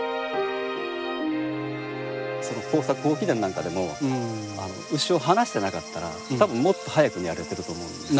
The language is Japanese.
耕作放棄田なんかでも牛を放してなかったら多分もっと早くに荒れてると思うんですよ。